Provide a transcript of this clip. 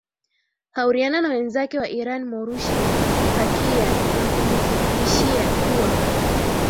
hauriana na mwenzake wa iran morusha muthakia na kumuthibitishia kuwa